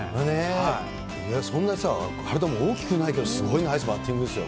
そんなさ、体も大きくないけど、すごいナイスバッティングですよ。